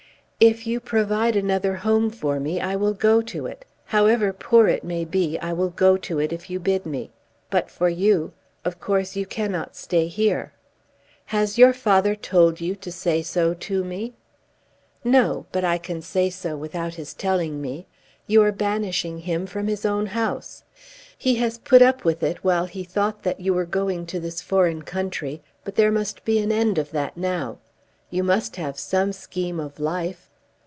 "If you provide another home for me, I will go to it. However poor it may be I will go to it, if you bid me. But for you, of course you cannot stay here." "Has your father told you to say so to me?" "No; but I can say so without his telling me. You are banishing him from his own house. He has put up with it while he thought that you were going to this foreign country; but there must be an end of that now. You must have some scheme of life?"